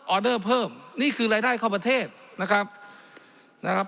ออเดอร์เพิ่มนี่คือรายได้ข้อประเทศนะครับ